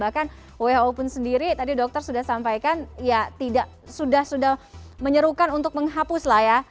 bahkan who pun sendiri tadi dokter sudah sampaikan ya tidak sudah sudah menyerukan untuk menghapus lah ya